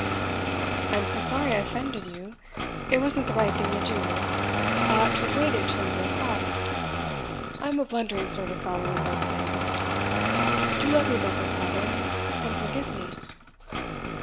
'I'm so sorry I offended you. It wasn't the right thing to do; I ought to have waited till you were across. I'm a blundering sort of fellow in those things. Do let me beg your pardon, and forgive me.